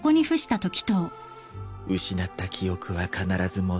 失った記憶は必ず戻る。